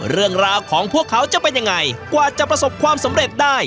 เรื่องราวของพวกเขาจะเป็นยังไงกว่าจะประสบความสำเร็จได้